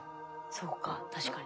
そうか確かに。